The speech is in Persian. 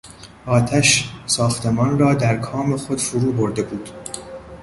آتش ساختمان را در کام خود فرو برده بود.